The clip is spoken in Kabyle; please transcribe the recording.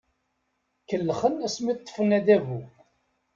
Kellxen asmi ṭṭfen adabu.